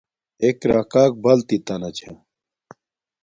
ایک راکاک بلتت تا نہ چھا